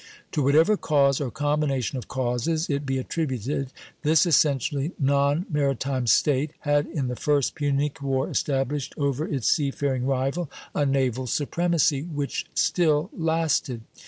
To whatever cause, or combination of causes, it be attributed, this essentially non maritime state had in the first Punic War established over its sea faring rival a naval supremacy, which still lasted.